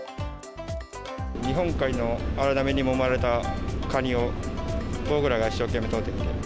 日本海の荒波にもまれたカニを、僕らが一生懸命取る。